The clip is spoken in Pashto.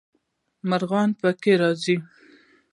مرغان پکې راځي.